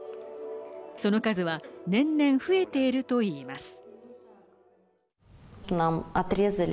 その数は年々、増えているといいます。